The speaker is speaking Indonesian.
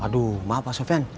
aduh maaf pak sofyan